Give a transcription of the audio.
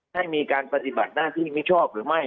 ให้มีการปฏิบัติหน้าที่มิชอบหรือไม่